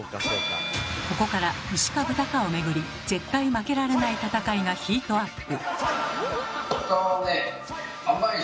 ここから牛か豚かをめぐり絶対負けられない戦いがヒートアップ。